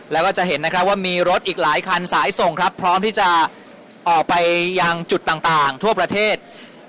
แล้วก็จะเห็นนะครับว่ามีรถอีกหลายคันสายส่งครับพร้อมที่จะออกไปยังจุดต่างทั่วประเทศ